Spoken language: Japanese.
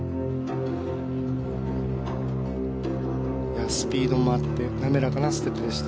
いやスピードもあって滑らかなステップでした。